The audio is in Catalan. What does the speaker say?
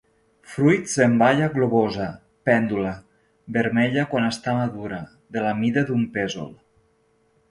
Fruits en baia globosa, pèndula, vermella quan està madura, de la mida d'un pèsol.